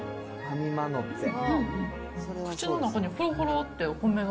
口の中にほろほろってお米が。